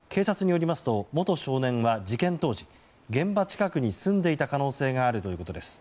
警察によりますと元少年は事件当時現場近くに住んでいた可能性があるということです。